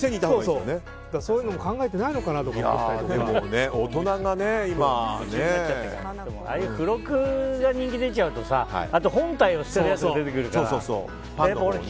そういうのも考えてないのかなとかでも、ああいう付録が人気出ちゃうと本体を捨てるやつが出てくるから。